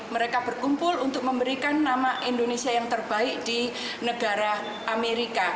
mereka berkumpul untuk memberikan nama indonesia yang terbaik di negara amerika